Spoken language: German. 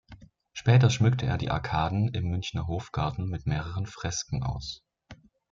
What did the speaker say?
Später schmückte er die Arkaden im Münchner Hofgarten mit mehreren Fresken aus.